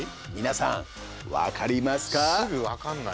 皆さん分かりますか？